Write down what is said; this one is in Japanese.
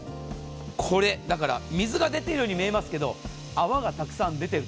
これ、水が出ているように見えますけど泡がたくさん出ている。